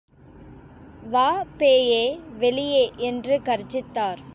வா பேயே வெளியே என்று கர்ஜித்தார்.